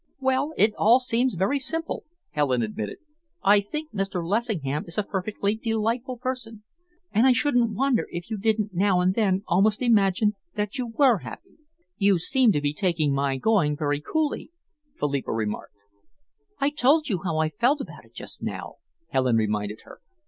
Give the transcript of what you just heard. "Well, it all seems very simple," Helen admitted. "I think Mr. Lessingham is a perfectly delightful person, and I shouldn't wonder if you didn't now and then almost imagine that you were happy." "You seem to be taking my going very coolly," Philippa remarked. "I told you how I felt about it just now," Helen reminded her.